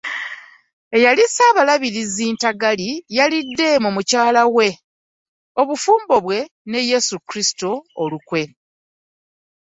Eyali Ssaabalabirizi Ntagali yalidde mu mukyala we, obufumbo bwe ne Yesu Kristo olukwe